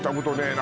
な